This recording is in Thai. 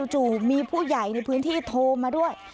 จู่มีผู้ใหญ่ในพื้นที่โทรมาด้วย